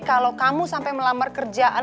kalau kamu sampai melamar kerjaan